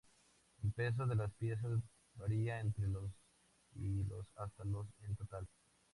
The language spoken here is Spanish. El peso de las piezas varía entre los y los hasta los en total.